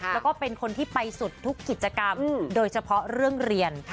แล้วก็เป็นคนที่ไปสุดทุกกิจกรรมโดยเฉพาะเรื่องเรียน